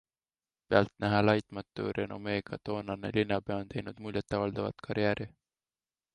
Pealtnäha laitmatu renomeega toonane linnapea on teinud muljet avaldavat karjääri.